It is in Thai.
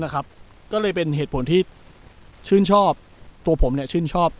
นะครับก็เลยเป็นเหตุผลที่ชื่นชอบตัวผมเนี้ยชื่นชอบ